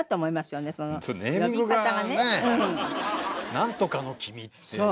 なんとかの君っていう。